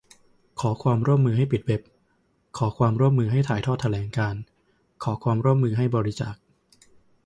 ขอความร่วมมือให้ปิดเว็บ ขอความร่วมมือให้ถ่ายทอดแถลงการณ์ ขอความร่วมมือให้บริจาค